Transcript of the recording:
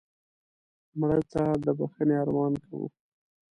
مړه ته د بښنې ارمان کوو